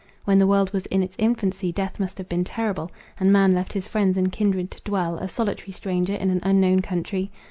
When the world was in its infancy death must have been terrible, and man left his friends and kindred to dwell, a solitary stranger, in an unknown country.